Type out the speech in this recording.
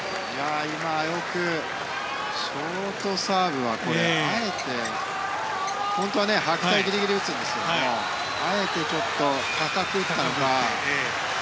ショートサーブは本当は白帯ギリギリに打つんですがあえて、ちょっと高く打ったのか。